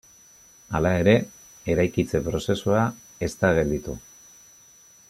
Hala ere, eraikitze prozesua ez da gelditu.